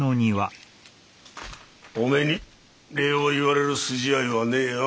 おめえに礼を言われる筋合いはねえよ。